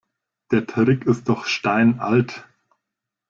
Der Trick ist doch steinalt.